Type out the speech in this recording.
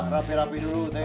mau jalan sekarang